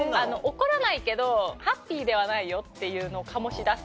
怒らないけどハッピーではないよっていうのを醸し出す。